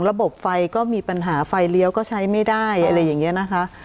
ระบบไฟก็มีปัญหาไฟเลี้ยวก็ใช้ไม่ได้อะไรอย่างนี้นะคะ